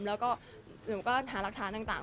แล้วก็หนูก็หารักฐานต่าง